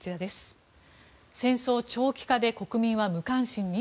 戦争長期化で国民は無関心に？